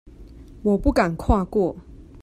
我不敢跨過